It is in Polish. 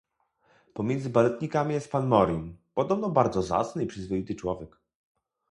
"Pomiędzy baletnikami jest pan Morin, podobno bardzo zacny i przyzwoity człowiek."